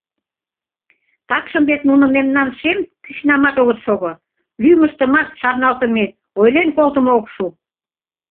Такшым вет нуно мемнан шем кӱчнамат огыт шого. лӱмыштымат шарналтыме, ойлен колтымо ок шу.